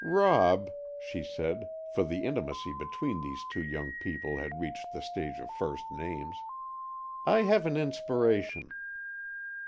"Rob," she said, for the intimacy between these two young people had reached the stage of first names, "I have an inspiration."